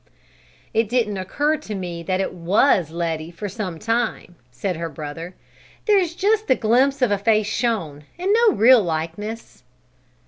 "It didn't occur to me that it was Letty for some time," said her brother. "There's just the glimpse of a face shown, and no real likeness."